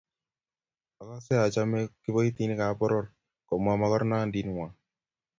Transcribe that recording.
Ogese ochome kiboitinikan poror komwa mogornonditngwai